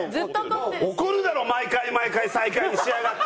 怒るだろ毎回毎回最下位にしやがって！